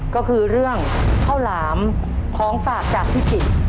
ก็คือเรื่องข้าวหลามของฝากจากพิจิตร